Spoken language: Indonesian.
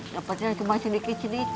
dapatnya cuma sedikit sedikit